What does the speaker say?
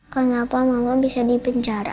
kenapa mama bisa dipenjara